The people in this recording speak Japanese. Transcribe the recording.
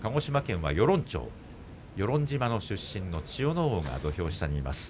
与論町の出身千代ノ皇が土俵下にいます。